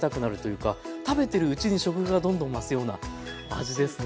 食べてるうちに食欲がどんどん増すような味ですね。